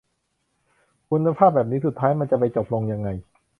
คุณภาพแบบนี้สุดท้ายมันจะไปจบลงยังไง